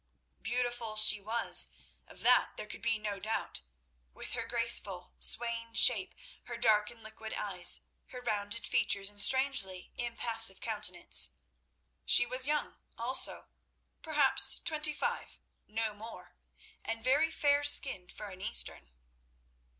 Beautiful she was, of that there could be no doubt, with her graceful, swaying shape, her dark and liquid eyes, her rounded features and strangely impassive countenance. She was young also—perhaps twenty five, no more—and very fair skinned for an Eastern.